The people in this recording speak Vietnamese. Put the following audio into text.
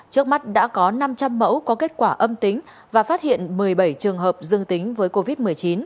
trước mắt đã có năm trăm linh mẫu có kết quả âm tính và phát hiện một mươi bảy trường hợp dương tính với covid một mươi chín